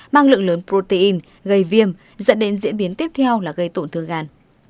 mang lượng lớn protein gây viêm dẫn đến diễn biến tiếp theo là gây tổn thương gan